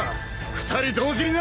２人同時にな！